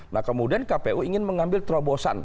nah kemudian kpu ingin mengambil terobosan